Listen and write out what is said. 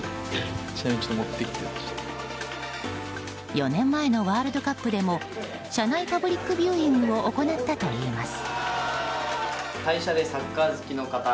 ４年前のワールドカップでも社内パブリックビューイングを行ったといいます。